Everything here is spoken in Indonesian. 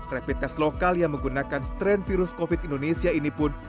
rapid test lokal yang menggunakan strain virus covid indonesia ini pun